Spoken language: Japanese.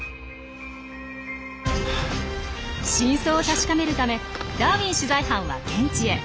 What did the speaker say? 真相を確かめるためダーウィン取材班は現地へ。